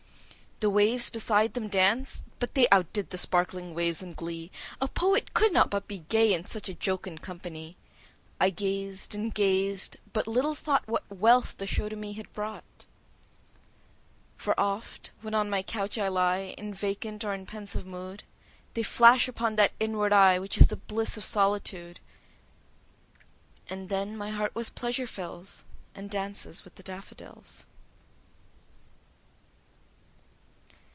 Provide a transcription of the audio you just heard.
The waves beside them danced; but they Out did the sparkling waves in glee: A poet could not but be gay, 15 In such a jocund company: I gazed—and gazed—but little thought What wealth the show to me had brought: For oft, when on my couch I lie In vacant or in pensive mood, 20 They flash upon that inward eye Which is the bliss of solitude; And then my heart with pleasure fills, And dances with the daffodils.